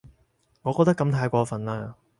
我覺得噉太過份喇